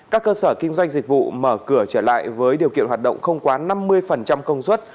các cơ sở kinh doanh dịch vụ mở cửa trở lại với điều kiện hoạt động không quá năm mươi công suất